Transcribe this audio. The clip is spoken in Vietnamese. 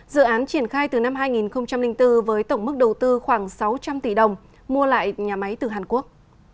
dự án triển khai từ năm hai nghìn bốn với tổng mức đầu tư khoảng sáu trăm linh tỷ đồng mua lại nhà máy từ hàn quốc